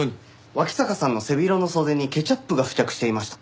脇坂さんの背広の袖にケチャップが付着していました。